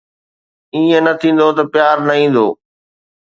ائين نه ٿيندو ته پيار نه ايندو